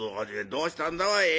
「どうしたんだおい。